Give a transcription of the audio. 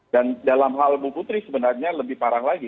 dalam hal bu putri sebenarnya lebih parah lagi